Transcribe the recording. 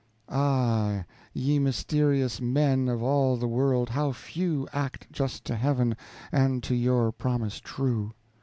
Ah! ye mysterious men, of all the world, how few Act just to Heaven and to your promise true!